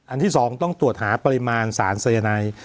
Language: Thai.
อันที่สองต้องตรวจหาปริมาณสารสยนัย